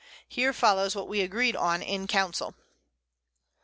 Here follows what we agreed on in Council.